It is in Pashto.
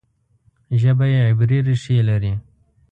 ژبه یې عبري ریښې لري.